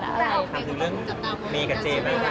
ถามถึงเรื่องมีกับเจ๊ไหมค่ะ